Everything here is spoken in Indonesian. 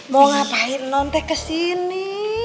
mau ngapain non teh kesini